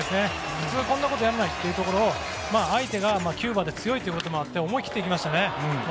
普通、こんなことやらないというのを相手がキューバで強いということもあって思い切っていきましたね。